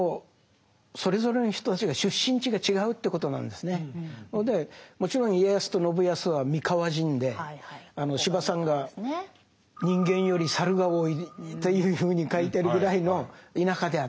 非常に興味深いのはこのそれでもちろん家康と信康は三河人で司馬さんが人間より猿が多いというふうに書いてるぐらいの田舎であった。